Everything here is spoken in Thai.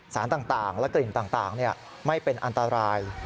สารต่างและกลิ่นต่างไม่เป็นอันตราย